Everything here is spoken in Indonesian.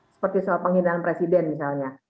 seperti soal penghinaan presiden misalnya